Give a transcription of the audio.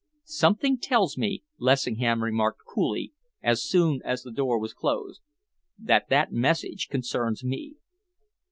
"Something tells me," Lessingham remarked coolly, as soon as the door was closed, "that that message concerns me."